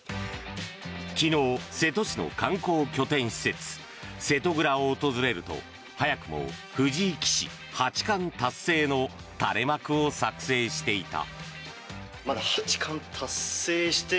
昨日、瀬戸市の観光拠点施設瀬戸蔵を訪れると早くも「藤井棋士八冠達成」の垂れ幕を作成していた。